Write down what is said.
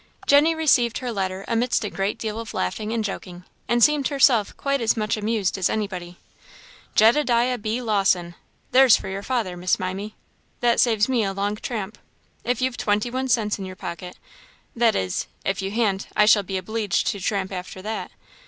Jenny received her letter amidst a great deal of laughing and joking, and seemed herself quite as much amused as anybody. " 'Jedediah B. Lawson' there's for your father, Miss Mimy; that saves me a long tramp if you've twenty one cents in your pocket, that is; if you han't, I shall be obleeged to tramp after that.